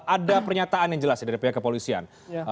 ada pernyataan yang jelas dari pihak kepolisian